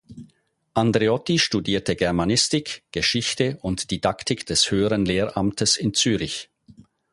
Andreotti studierte Germanistik, Geschichte und Didaktik des höheren Lehramtes in Zürich.